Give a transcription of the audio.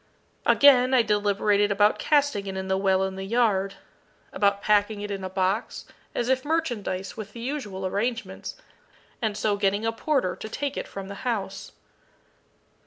Again, I deliberated about casting it in the well in the yard about packing it in a box, as if merchandise, with the usual arrangements, and so getting a porter to take it from the house.